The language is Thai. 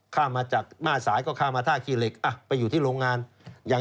ข้ามมาจากมาสายก็ข้ามมาท่าคีย์เหล็กไปอยู่ที่โรงงาน